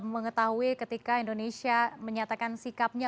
mengetahui ketika indonesia menyatakan sikapnya